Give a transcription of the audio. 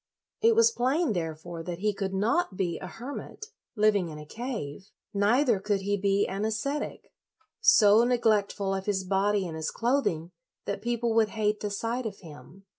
It was plain, therefore, that he could not be a hermit, living in a cave; neither could he be an ascetic, so neglect ful of his body and his clothing that people would hate the sight of him.